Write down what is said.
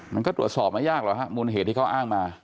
มันก็ตรวจสอบไม่ยากหรอกฮะมูลเหตุที่เขาอ้างมา